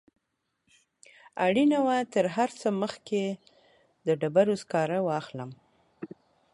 اړینه وه تر هر څه مخکې د ډبرو سکاره واخلم.